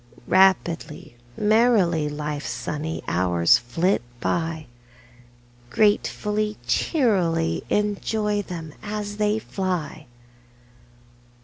Rapidly, merrily, Life's sunny hours flit by, Gratefully, cheerily Enjoy them as they fly!